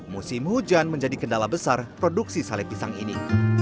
musim hujan menjadi kendala besar produksi sale pisang ini